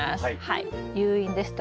誘引ですとか摘心